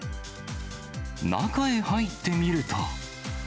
中へ入ってみると。